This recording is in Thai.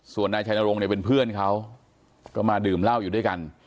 ส่วนนายชัยนรงค์เนี่ยเป็นเพื่อนเขาก็มาดื่มเหล้าอยู่ด้วยกัน